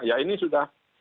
ya ini sudah